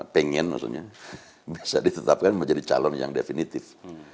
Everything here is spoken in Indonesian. pengen maksudnya bisa ditetapkan menjadi calon yang definitif